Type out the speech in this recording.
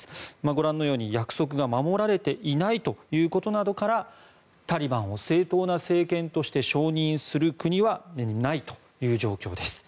ご覧のように約束が守られていないということなどからタリバンを正当な政権として承認する国はない状況です。